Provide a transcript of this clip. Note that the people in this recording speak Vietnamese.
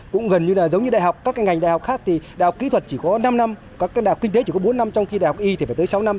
cũng gần như là giống như đại học các ngành đại học khác thì đại học kỹ thuật chỉ có năm năm các đại học kinh tế chỉ có bốn năm trong khi đại học y thì phải tới sáu năm